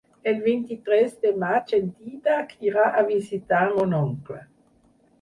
El vint-i-tres de maig en Dídac irà a visitar mon oncle.